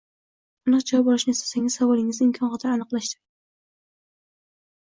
Aniq javob olishni istasangiz savolingizni imkon qadar aniqlashtiring